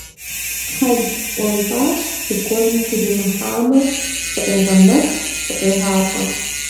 Хьэл ӏуэнтӏащ, зыгуэр игу иримыхьамэ зыкъегъэмэх, зыкъегъалӏэ.